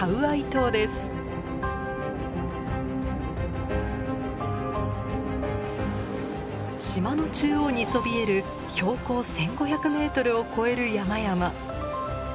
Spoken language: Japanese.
島の中央にそびえる標高１，５００ｍを超える山々。